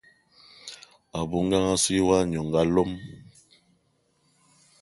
A bou ngang assou y mwani o nga lom.